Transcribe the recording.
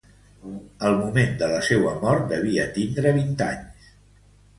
Al moment de la seua mort devia tindre vint anys.